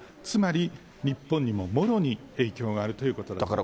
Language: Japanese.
つまり、日本にももろに影響があるということです。